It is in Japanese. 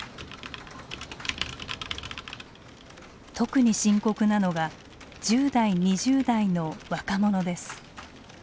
特に深刻なのが１０代２０代の若者です。